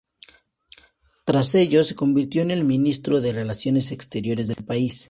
Tras ello se convirtió en el ministro de relaciones exteriores del país.